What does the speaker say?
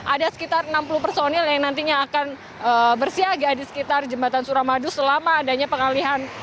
ada sekitar enam puluh personil yang nantinya akan bersiaga di sekitar jembatan suramadu selama adanya pengalihan